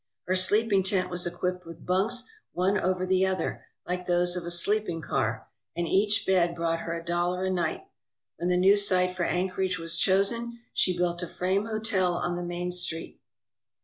Her sleeping tent was equipped with bunks one over the other, like those of a sleeping car, and each bed brought her a dollar a night. When the new site for Anchorage was chosen, she built a frame hotel on the main street.